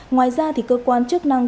ngoài ra cơ quan chức năng